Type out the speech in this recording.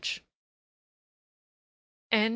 THE END.